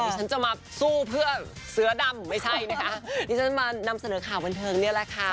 ฉันจะมาสู้เพื่อเสือดำไม่ใช่นะคะดิฉันมานำเสนอข่าวบันเทิงเนี่ยแหละค่ะ